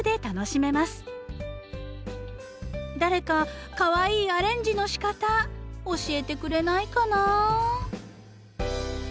誰かかわいいアレンジのしかた教えてくれないかな。